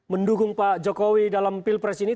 mendukung pak jokowi dalam pilpres ini